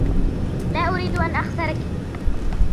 لا أريد أن أخسرَكِ.